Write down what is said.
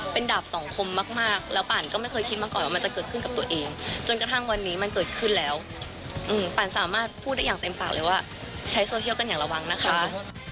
เป็นดาบสองคมมากแล้วปันก็ไม่เคยคิดมาก่อนว่ามันจะเกิดขึ้นกับตัวเองจนกระทั่งวันนี้มันเกิดขึ้นแล้วปันสามารถพูดได้อย่างเต็มปากเลยว่าใช้โซเชียลกันอย่างระวังนะคะ